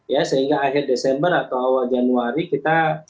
ya sehingga akhir desember atau awal januari kita